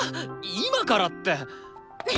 今からって。